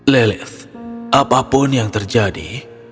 lilith apapun yang terjadi